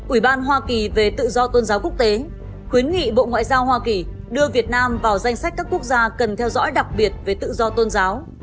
ủy ban hoa kỳ về tự do tôn giáo quốc tế khuyến nghị bộ ngoại giao hoa kỳ đưa việt nam vào danh sách các quốc gia cần theo dõi đặc biệt về tự do tôn giáo